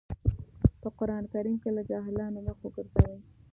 په قرآن کريم کې له جاهلانو مخ وګرځوئ.